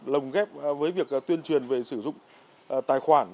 lồng ghép với việc tuyên truyền về sử dụng tài khoản